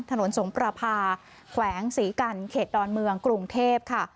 ถนนสงประพาแขวงศรีกันเขตดอนเมืองกรุงเทพค่ะ